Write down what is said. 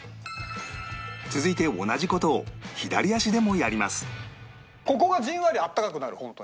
続いて同じ事を左足でもやります